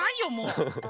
フフフフ。